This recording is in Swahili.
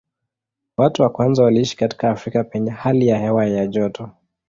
Watu wa kwanza waliishi katika Afrika penye hali ya hewa ya joto.